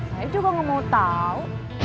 saya juga nggak mau tahu